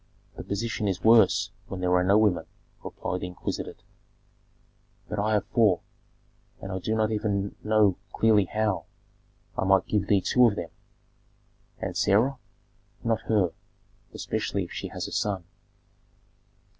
"The position is worse when there are no women," replied the exquisite. "But I have four, and I do not even know clearly how. I might give thee two of them." "And Sarah?" "Not her, especially if she has a son."